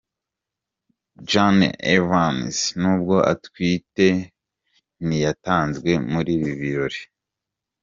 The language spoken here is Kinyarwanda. Jenelle Evans nubwo atwite ntiyatanzwe muri ibi birori.